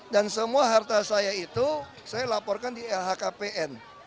dan semua harta saya itu saya laporkan di lhkpn